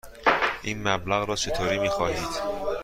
این مبلغ را چطوری می خواهید؟